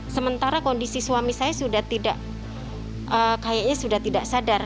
sementara kondisi suami saya sudah tidak kayaknya sudah tidak sadar